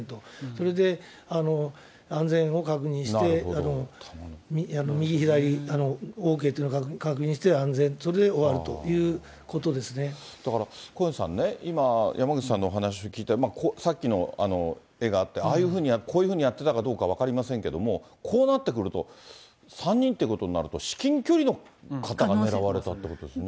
それで安全を確認して、右左、ＯＫというのを確認して、安全、だから、小西さんね、今、山口さんのお話を聞いて、さっきの絵があって、ああいうふうに、こういうふうにやっていたかどうかは分かりませんけれども、こうなってくると、３人ってことになると、至近距離の方が狙われたってことですよね。